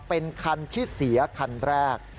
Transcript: เป็นคันที่เสียคันแรก